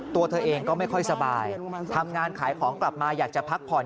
ตัวเธอเองก็ไม่ค่อยสบายทำงานขายของกลับมาอยากจะพักผ่อน